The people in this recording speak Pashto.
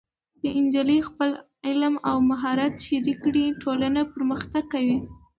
که نجونې خپل علم او مهارت شریک کړي، ټولنه پرمختګ کوي.